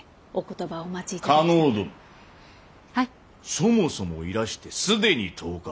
そもそもいらして既に１０日！